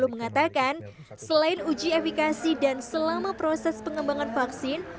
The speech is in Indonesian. mengatakan selain uji efikasi dan selama proses pengembangan vaksin